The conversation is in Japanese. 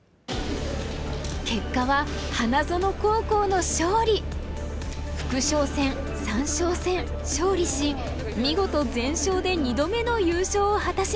結果は副将戦三将戦勝利し見事全勝で２度目の優勝を果たしました。